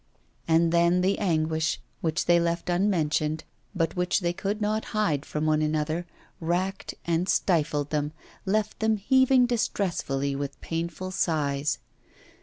And then the anguish which they left unmentioned, but which they could not hide from one another, racked and stifled them, left them heaving distressfully with painful sighs.